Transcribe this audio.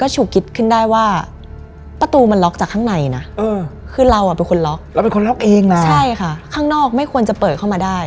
ใช่ค่ะข้างนอกไม่ควรจะเปิดเข้ามาได้